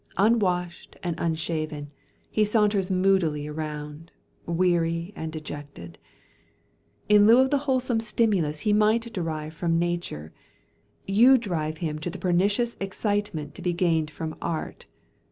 Unwashed and unshaven, he saunters moodily about, weary and dejected. In lieu of the wholesome stimulus he might derive from nature, you drive him to the pernicious excitement to be gained from art.